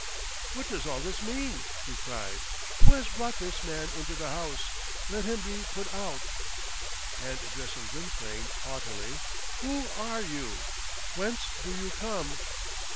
"What does all this mean?" he cried. "Who has brought this man into the House? Let him be put out." And addressing Gwynplaine haughtily, "Who are you? Whence do you come?"